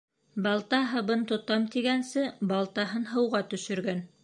Балта һабын тотам тигәнсе, балтаһын һыуға төшөргән.